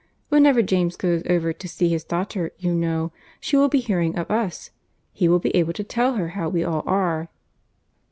Whenever James goes over to see his daughter, you know, she will be hearing of us. He will be able to tell her how we all are."